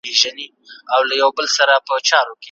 هغه تل د کابل د ښکلي هوا او غرونو صفت کوي.